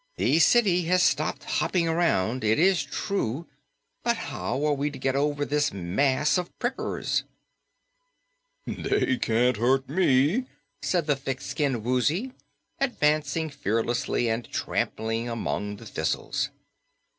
"The city has stopped hopping around, it is true, but how are we to get to it over this mass of prickers?" "They can't hurt ME," said the thick skinned Woozy, advancing fearlessly and trampling among the thistles.